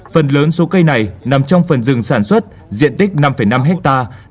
phần lớn số cây này nằm trong phần rừng sản xuất diện tích năm năm hectare